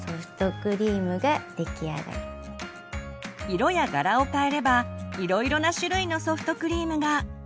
色や柄を変えればいろいろな種類のソフトクリームが。